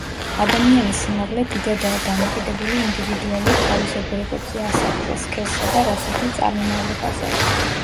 ადამიანის სიმაღლე დიდადაა დამოკიდებული ინდივიდუალურ თავისებურებებზე, ასაკზე, სქესსა და რასობრივ წარმომავლობაზე.